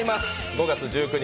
５月１９日